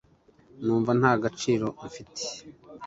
Numva nta gaciro mfite